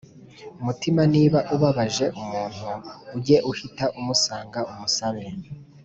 mutima Niba ubabaje umuntu ujye uhita umusanga umusabe